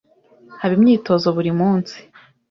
Haba imyitozo buri munsi?